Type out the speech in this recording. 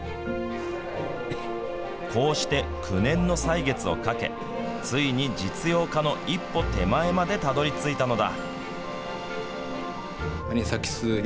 こうして９年の歳月をかけついに実用化の一歩手前までたどり着いたのだ。